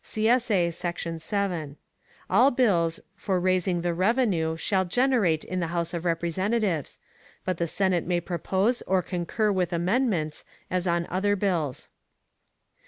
[CSA] Section 7. All bills for raising the revenue shall originate in the House of Representatives; but the Senate may propose or concur with amendments, as on other bills.